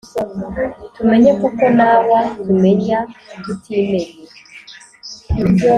tumenye kuko nawa tumenya tutimenye